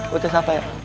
bocah siapa ya